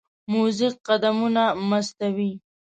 موزیک قدمونه مستوي.